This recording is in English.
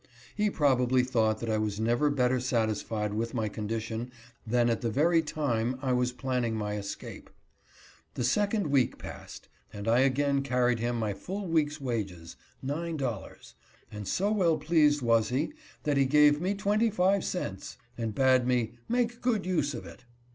He probably thought that I was never better satisfied with my condition than at the very time I was planning my escape. The second week passed, and I again carried him my full week's wages — nine dollars ; and so well pleased was he that he gave me twenty five cents ! and bade me " make good use of it."